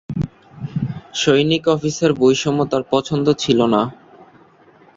সৈনিক-অফিসার বৈষম্য তার পছন্দ ছিলনা।